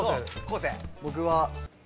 僕は。